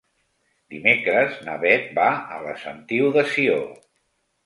Dimecres na Beth va a la Sentiu de Sió.